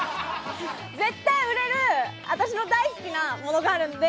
絶対売れる私の大好きなものがあるので。